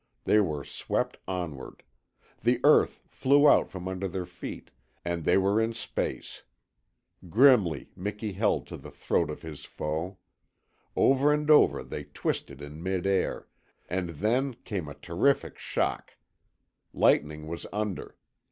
They were swept onward. The earth flew out from under their feet, and they were in space. Grimly Miki held to the throat of his foe. Over and over they twisted in mid air, and then came a terrific shock. Lightning was under.